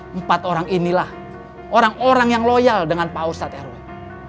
pusat eroi adalah orang orang yang loyal dengan pausat eroi